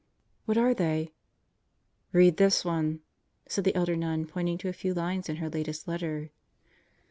"What are they?" "Read this one," and the elder nun pointed to a few lines in her latest letter.